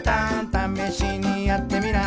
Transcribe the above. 「ためしにやってみな」